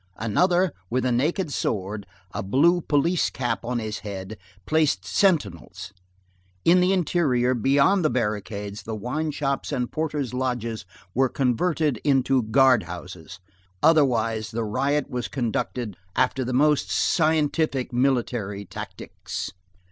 Another, with a naked sword, a blue police cap on his head, placed sentinels. In the interior, beyond the barricades, the wine shops and porters' lodges were converted into guard houses. Otherwise the riot was conducted after the most scientific military tactics.